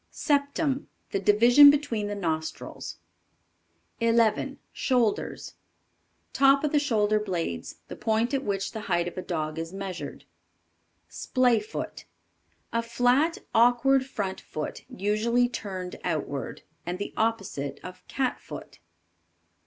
Septum. The division between the nostrils. 11. SHOULDERS. Top of the shoulder blades, the point at which the height of a dog is measured. Splay foot. A flat, awkward front foot, usually turned outward; and the opposite of "Cat foot."